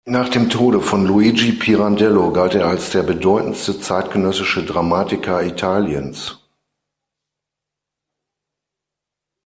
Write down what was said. Nach dem Tode von Luigi Pirandello galt er als der bedeutendste zeitgenössische Dramatiker Italiens.